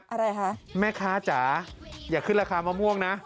อะไรคะแม่ค้าจ๋าอย่าขึ้นราคามะม่วงนะ